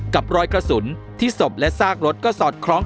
รอยกระสุนที่ศพและซากรถก็สอดคล้อง